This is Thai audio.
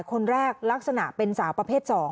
คนแรกลักษณะเป็นสาวประเภท๒